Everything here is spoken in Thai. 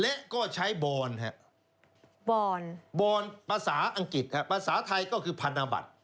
และก็ใช้บอลบอนภาษาอังกฤษภาษาไทยก็คือพันธบัตร